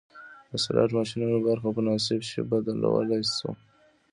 د سلاټ ماشینونو برخه په مناسب شي بدلولی شو